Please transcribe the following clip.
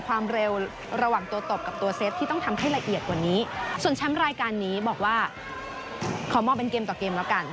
วันนี้บอกว่าขอมอบเป็นเกมต่อเกมแล้วกัน